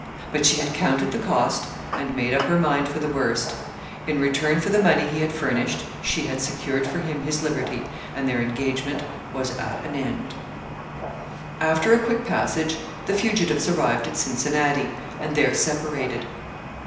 But she had counted the cost, and made up her mind for the worst. In return for the money he had furnished, she had secured for him his liberty, and their engagement was at an end. After a quick passage the fugitives arrived at Cincinnati, and there separated.